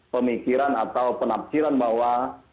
pemikiran atau penafsiran bahwa